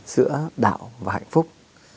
giữa đạo và hạnh phúc